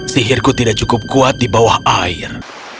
sihirku tidak cukup kuat di bawah air